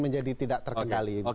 menjadi tidak terkendali